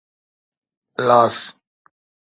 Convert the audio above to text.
Los